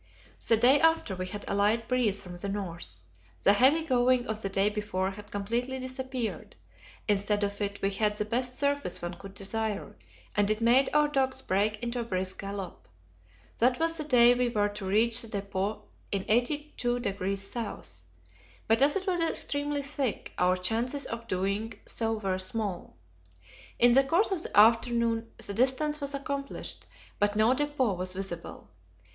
The day after we had a light breeze from the north. The heavy going of the day before had completely disappeared; instead of it we had the best surface one could desire, and it made our dogs break into a brisk gallop. That was the day we were to reach the depot in 82° S., but as it was extremely thick, our chances of doing so were small. In the course of the afternoon the distance was accomplished, but no depot was visible.